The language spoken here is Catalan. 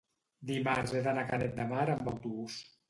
dimarts he d'anar a Canet de Mar amb autobús.